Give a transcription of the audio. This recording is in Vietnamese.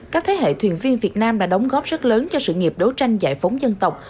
các thế hệ thuyền viên việt nam đã đóng góp rất lớn cho sự nghiệp đấu tranh giải phóng dân tộc